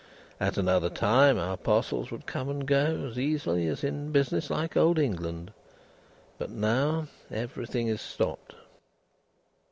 At another time, our parcels would come and go, as easily as in business like Old England; but now, everything is stopped."